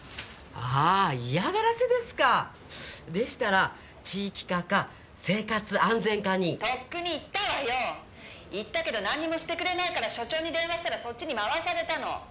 ああ嫌がらせですかでしたら地域課か生活安全課に☎とっくに言ったわよ言ったけど何にもしてくれないから☎署長に電話したらそっちに回されたの！